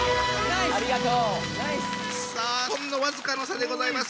さあほんの僅かの差でございます。